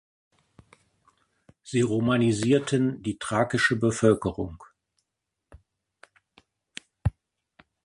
Sie romanisierten die thrakische Bevölkerung.